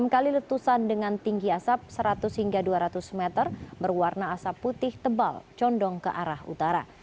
enam kali letusan dengan tinggi asap seratus hingga dua ratus meter berwarna asap putih tebal condong ke arah utara